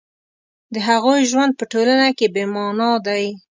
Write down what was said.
د هغوی ژوند په ټولنه کې بې مانا دی